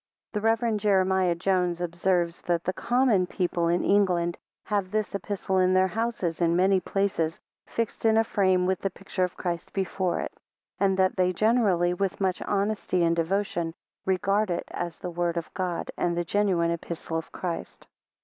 The Rev. Jeremiah Jones observes, that the common people in England have this Epistle in their houses in many places, fixed in a frame, with the picture of Christ before it; and that they generally, with much honesty and devotion, regard it as the word of God, and the genuine Epistle of Christ.